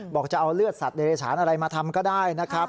บอกจะเอาเลือดสัตว์เดชานอะไรมาทำก็ได้นะครับ